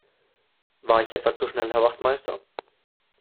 War ich etwa zu schnell Herr Wachtmeister?